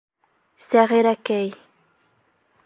Сәғирәкәй...